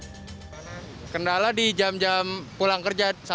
pada saat ini pengendara tidak bisa sampai di rumah sebelum waktu berbuka puasa